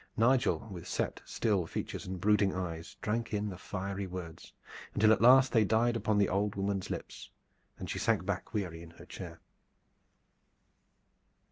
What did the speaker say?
Nigel, with set, still features and brooding eyes, drank in the fiery words, until at last they died upon the old woman's lips and she sank back weary in her chair.